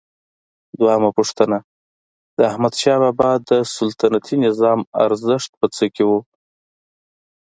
دویمه پوښتنه: د احمدشاه بابا د سلطنتي نظام ارزښت په څه کې و؟